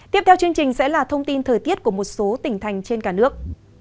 tiếp theo chương trình sẽ là thông tin thời tiết của một số tỉnh thành trên cả nước